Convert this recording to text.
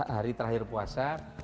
hari terakhir puasa